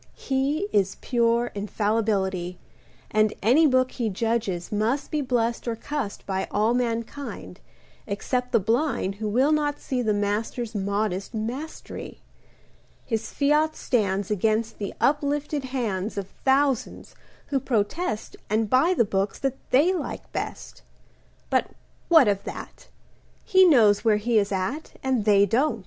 He Is pure infallibility, And any book he judges must Be blessed or cussed By all mankind, Except the blind[Pg 1337] Who will not see The master's modest mastery. His fiat stands Against the uplifted hands Of thousands who protest And buy the books That they like best; But what of that? He knows where he is at, And they don't.